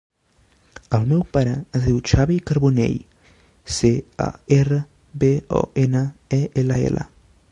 El meu pare es diu Xavi Carbonell: ce, a, erra, be, o, ena, e, ela, ela.